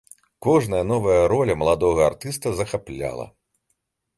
Кожная новая роля маладога артыста захапляла.